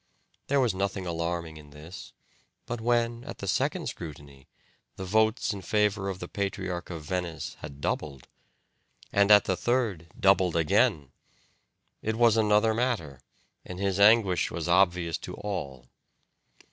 There was nothing alarming in this; but when, at the second scrutiny, the votes in favour of the Patriarch of Venice had doubled, and at the third doubled again, it was another matter, and his anguish was obvious to all.